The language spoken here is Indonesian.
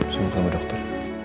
semoga kamu dokter